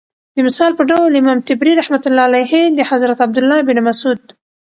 دمثال په ډول امام طبري رحمة الله عليه دحضرت عبدالله بن مسعود